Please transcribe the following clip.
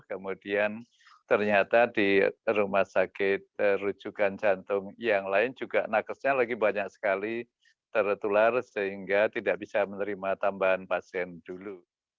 kemudian ternyata di rumah sakit rujukan jantung yang lain juga nakesnya lagi banyak sekali tertular sehingga tidak bisa menerima tambahan pasien dulu